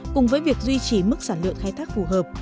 cùng với việc duy trì mức sản lượng khai thác phù hợp